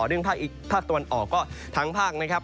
เรื่องภาคตะวันออกก็ทั้งภาคนะครับ